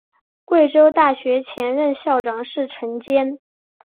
贵州大学前任校长是陈坚。